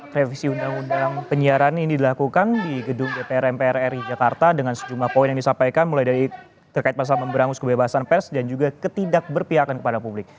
revisi undang undang penyiaran ini dilakukan di gedung dpr mpr ri jakarta dengan sejumlah poin yang disampaikan mulai dari terkait pasal memberangus kebebasan pers dan juga ketidakberpihakan kepada publik